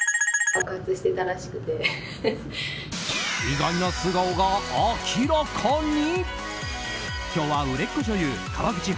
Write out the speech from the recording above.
意外な素顔が明らかに！